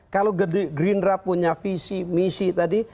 kalau gerindra punya visi misi tadi